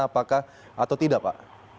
apakah atau tidak pak